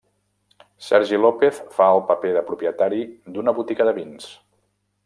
Sergi López fa el paper del propietari d'una botiga de vins.